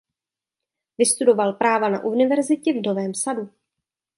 Vystudoval práva na Univerzitě v Novém Sadu.